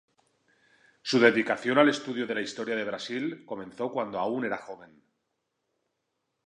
Su dedicación al estudio de la historia de Brasil comenzó cuando aún era joven.